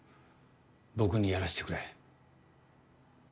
僕にやらせてくれ。